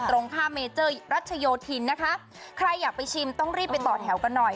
ตรงข้ามเมเจอร์รัชโยธินนะคะใครอยากไปชิมต้องรีบไปต่อแถวกันหน่อย